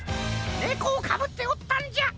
ネコをかぶっておったんじゃ！